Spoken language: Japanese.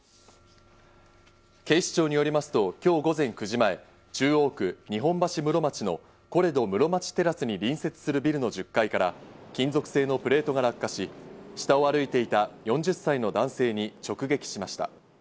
警視庁によりますと、今日午前９時前、中央区日本橋室町のコレド室町テラスに隣接するビルの１０階から金属製のプレートが落下し、下を歩いていた４０歳の男性に直撃しました。